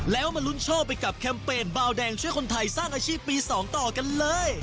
แล้วมาลุ้นโชคไปกับแคมเปญบาวแดงช่วยคนไทยสร้างอาชีพปี๒ต่อกันเลย